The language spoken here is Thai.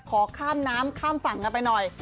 ขอข้ามน้ำข้ามฝั่งกันไปหน่อย